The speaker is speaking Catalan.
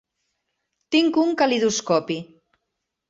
Tinc un calidoscopi.